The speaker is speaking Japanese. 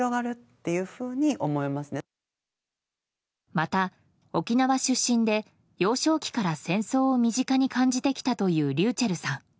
また、沖縄出身で幼少期から戦争を身近に感じてきたというｒｙｕｃｈｅｌｌさん。